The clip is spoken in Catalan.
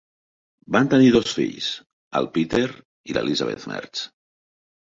Van tenir dos fills, el Peter i l'Elizabeth Mertz.